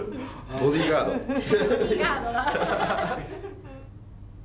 ボディーガードだ。